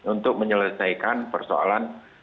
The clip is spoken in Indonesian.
untuk menyelesaikan persoalan